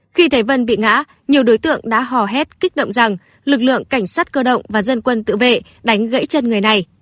khi thấy vân bị ngã nhiều đối tượng đã hò hét kích động rằng lực lượng cảnh sát cơ động và dân quân tự vệ đánh gãy chân người này